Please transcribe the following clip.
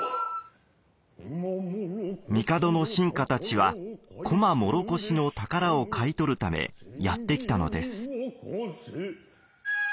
帝の臣下たちは高麗唐土の宝を買い取るためやって来たのです。